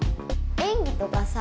演技とかさ。